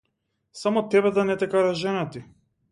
Само тебе да не те кара жена ти.